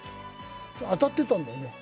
当たってたんだよね。